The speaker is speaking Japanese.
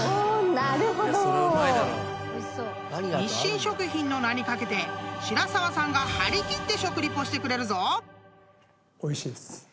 ［日清食品の名に懸けて白澤さんが張り切って食リポしてくれるぞ］